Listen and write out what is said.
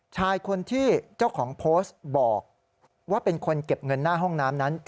ชายคนที่เจ้าของโพสต์บอกว่าเป็นคนเก็บเงินหน้าห้องน้ำนั้น